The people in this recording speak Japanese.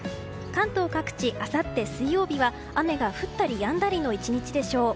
関東各地、あさって水曜日は雨が降ったりやんだりの１日でしょう。